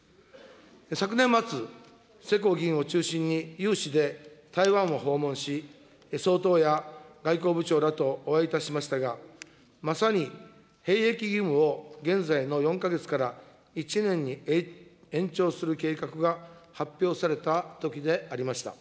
昨年末、世耕議員を中心に有志で台湾を訪問し、総統や外交部長らとお会いいたしましたが、まさに兵役義務を現在の４か月から１年に延長する計画が発表されたときでありました。